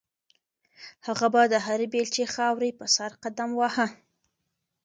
هغه به د هرې بیلچې خاورې په سر قدم واهه.